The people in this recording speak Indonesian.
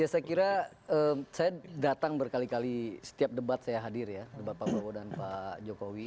ya saya kira saya datang berkali kali setiap debat saya hadir ya debat pak prabowo dan pak jokowi